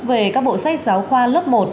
về các bộ sách giáo khoa lớp một